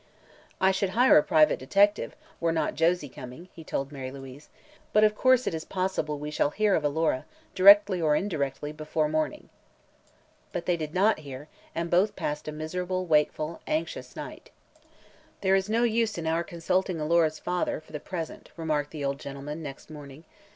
"I should hire a private detective, were not Josie coming," he told Mary Louise; "but of course it is possible we shall hear of Alora, directly or indirectly, before morning." But they did not hear, and both passed a miserable, wakeful, anxious night. "There is no use in our consulting Alora'a father, for the present," remarked the old gentleman, next morning.